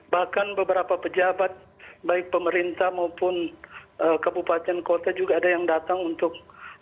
bahkan beberapa pejabat baik pemerintah maupun kabupaten kota juga ada yang datang untuk